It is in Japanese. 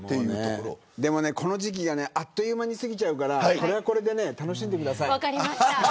でも、この時期はあっという間に過ぎちゃうからこれはこれで楽しんでください。